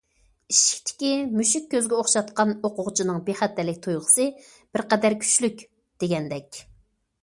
ئىشىكتىكى مۈشۈك كۆزگە ئوخشاتقان ئوقۇغۇچىنىڭ بىخەتەرلىك تۇيغۇسى بىرقەدەر كۈچلۈك دېگەندەك.